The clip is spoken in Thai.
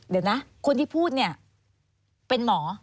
เดี๋ยวนะคนที่พูดเนี่ยเป็นหมอ